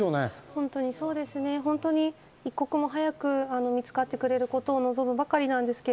ここも早く見つかってくれることを望むばかりです。